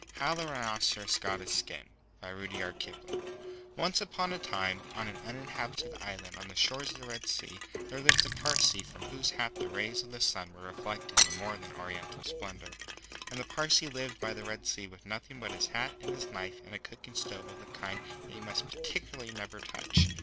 HOW THE RHINOCEROS GOT HIS SKIN ONCE upon a time, on an uninhabited island on the shores of the Red Sea, there lived a Parsee from whose hat the rays of the sun were reflected in more than oriental splendour. And the Parsee lived by the Red Sea with nothing but his hat and his knife and a cooking stove of the kind that you must particularly never touch.